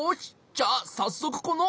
じゃあさっそくこの。